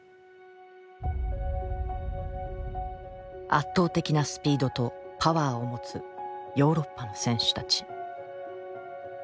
圧倒的なスピードとパワーを持つヨーロッパの選手たち。